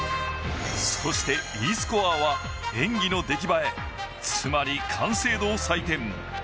そしてＥスコアは演技の出来栄えつまり完成度を採点。